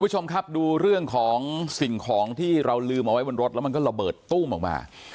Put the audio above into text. คุณผู้ชมครับดูเรื่องของสิ่งของที่เราลืมเอาไว้บนรถแล้วมันก็ระเบิดตู้มออกมา